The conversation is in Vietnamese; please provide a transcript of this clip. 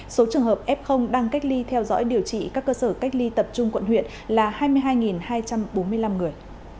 số trường hợp f đang cách ly theo dõi điều trị các cơ sở cách ly tập trung quận huyện là hai mươi hai hai trăm bốn mươi năm người